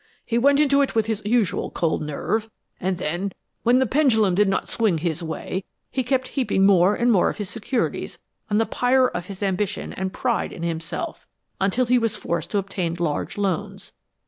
He went into it with his usual cold nerve, and then, when the pendulum did not swing his way he kept heaping more and more of his securities on the pyre of his ambition and pride in himself, until he was forced to obtain large loans.